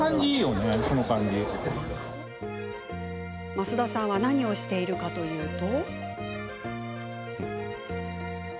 増田さんは何をしているかというと。